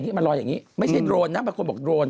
มาลอยอย่างนี้ไม่ใช่โดรนนะบางคนบอกโรน